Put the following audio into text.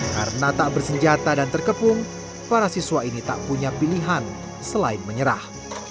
karena tak bersenjata dan terkepung para siswa ini tak punya pilihan selain menyerah